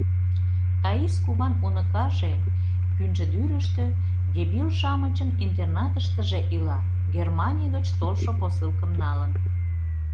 Таис куван уныкаже — Пӱнчыдӱрыштӧ дебил-шамычын интернатыштыже ила — Германий гыч толшо посылкым налын.